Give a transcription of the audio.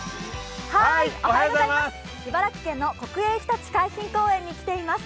茨城県の国営ひたち海浜公園に来ています。